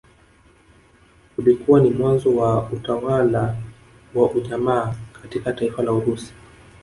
Ulikuwa ni mwanzo wa utawala wa ujamaa katika taifa la Urusi